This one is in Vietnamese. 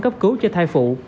cấp cứu cho thai phụ